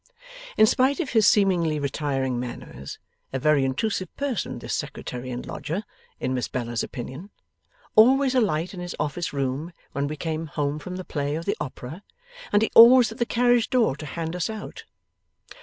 In spite of his seemingly retiring manners a very intrusive person, this Secretary and lodger, in Miss Bella's opinion. Always a light in his office room when we came home from the play or Opera, and he always at the carriage door to hand us out.